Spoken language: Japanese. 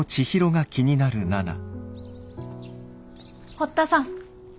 堀田さん